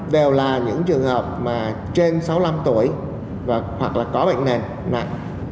một trăm linh đều là những trường hợp mà trên sáu mươi năm tuổi hoặc là có bệnh nền nặng